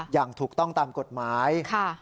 อย่างถูกต้องตามกฎหมาย